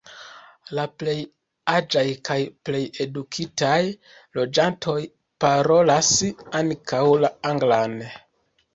La plej aĝaj kaj plej edukitaj loĝantoj parolas ankaŭ la anglan.